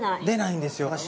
出ないんですよ。